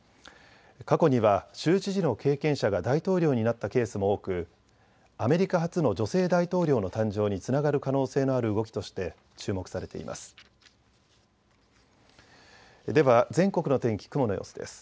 過去には州知事の経験者が大統領になったケースも多くアメリカ初の女性大統領の誕生につながる可能性のある動きとして注目されています。